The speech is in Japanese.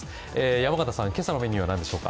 山形さん、今朝のメニューは何でしょうか。